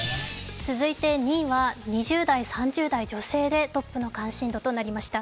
続いて２位は２０代３０代女性でトップの関心度となりました。